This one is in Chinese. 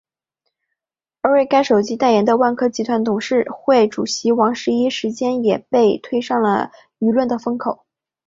而为该手机代言的万科集团董事会主席王石一时间也被推上了舆论的风口。